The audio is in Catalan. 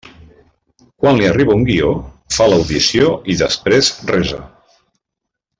Quan li arriba un guió, fa l'audició i després resa.